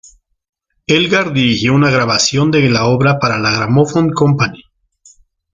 Elgar dirigió una grabación de la obra para la Gramophone Company.